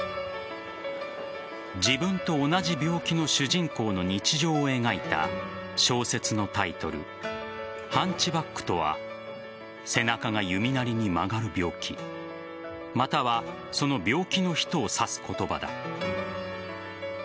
自分と同じ病気の主人公の日常を描いた小説のタイトル「ハンチバック」とは背中が弓なりに曲がる病気またはその病気の人を指す言葉だ。